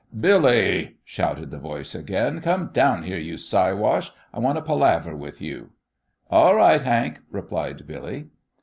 "Billy!" shouted the voice again, "come down here, you Siwash. I want to palaver with you!" "All right, Hank," replied Billy.